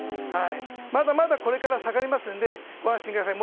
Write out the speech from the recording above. まだまだこれから下がりますのでご安心ください。